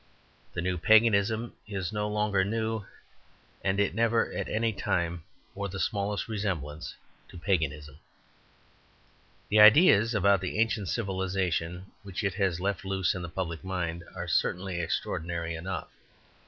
The New Paganism is no longer new, and it never at any time bore the smallest resemblance to Paganism. The ideas about the ancient civilization which it has left loose in the public mind are certainly extraordinary enough.